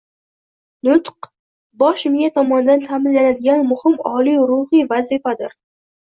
Nutq – bosh miya tomonidan ta’minlanadigan muhim oliy ruhiy vazifadir